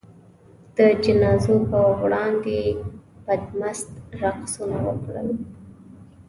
د جنازو په وړاندې یې بدمست رقصونه وکړل.